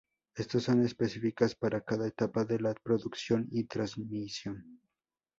Estas son específicas para cada etapa de la producción y transmisión.